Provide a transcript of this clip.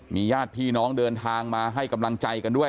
ญาติพี่น้องเดินทางมาให้กำลังใจกันด้วย